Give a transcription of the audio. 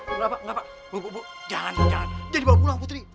enggak pak bu bu bu jangan jangan dibawa pulang putri